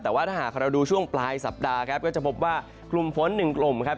แต่ว่าถ้าหากเราดูช่วงปลายสัปดาห์ครับก็จะพบว่ากลุ่มฝนหนึ่งกลุ่มครับ